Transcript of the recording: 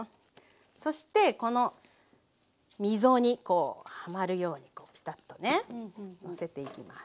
そしてこの溝にこうはまるようにピタッとねのせていきます。